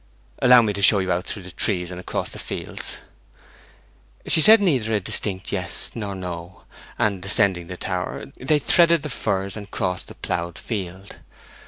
'Allow me to show you out through the trees and across the fields?' She said neither a distinct yes nor no; and, descending the tower, they threaded the firs and crossed the ploughed field.